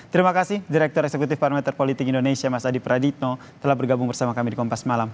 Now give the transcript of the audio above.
terima kasih direktur eksekutif parameter politik indonesia mas adi praditno telah bergabung bersama kami di kompas malam